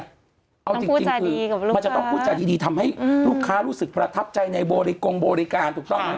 ต้องพูดจาดีกับลูกค้ามันจะต้องพูดจาดีทำให้ลูกค้ารู้สึกประทับใจในบริกรมบริการ